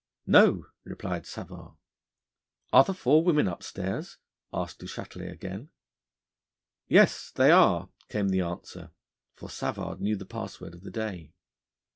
'No,' replied Savard. 'Are the four women upstairs?' asked Du Châtelet again. 'Yes, they are,' came the answer: for Savard knew the password of the day.